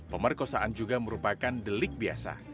pemerkosaan juga merupakan delik biasa